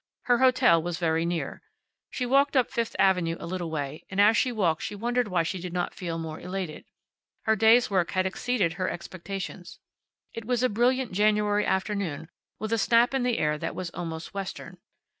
Her hotel was very near. She walked up Fifth avenue a little way, and as she walked she wondered why she did not feel more elated. Her day's work had exceeded her expectations. It was a brilliant January afternoon, with a snap in the air that was almost western.